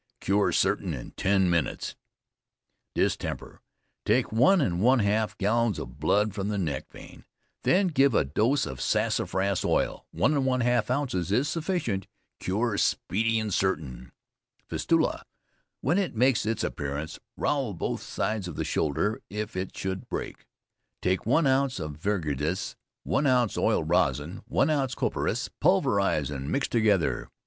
Cure certain in ten minutes. Distemper. Take 1 1/2 gallons blood from the neck vein, then give a dose of Sassafras Oil, 1 1/2 ounces is sufficient. Cure speedy and certain. Fistula. When it makes its appearance, rowel both sides of the shoulder; if it should break, take one ounce of verdigris, 1 ounce oil rosin, 1 ounce copperas, pulverize and mix together.